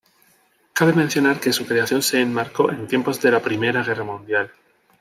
Cabe mencionar que su creación se enmarcó en tiempos de la primera guerra mundial.